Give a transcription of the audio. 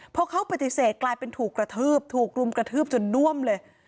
พอเขาปฏิเสธกลายเป็นถูกกระทืบถูกรุมกระทืบจนน่วมเลย